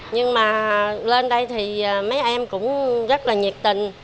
nhưng mà lên đây thì mấy em cũng rất là nhiệt tình